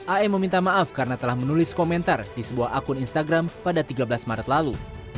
am meminta maaf karena telah menulis komentar di sebuah akun instagram pada tiga belas maret lalu